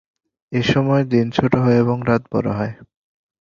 এসময় দিন ছোট হয় এবং রাত বড় হয়।